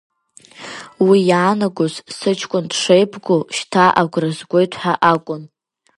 Уи иаанагоз, сыҷкәын дшеибгоу шьҭа агәра згоит ҳәа акәын.